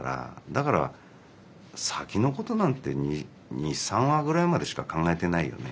だから先のことなんて２３話ぐらいまでしか考えてないよね。